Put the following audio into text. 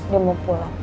dia mau pulang